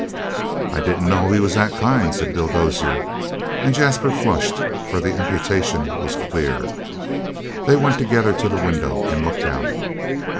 "I didn't know he was that kind," said Bill Dozier. And Jasper flushed, for the imputation was clear. They went together to the window and looked out.